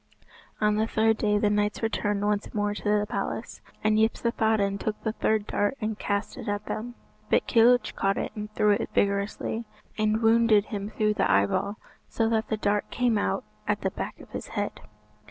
On the third day the knights returned once more to the palace, and Yspathaden took the third dart and cast it at them. But Kilhuch caught it and threw it vigorously, and wounded him through the eyeball, so that the dart came out at the back of his head.